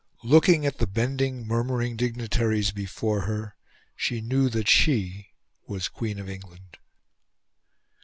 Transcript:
Looking at the bending, murmuring dignitaries before her, she knew that she was Queen of England.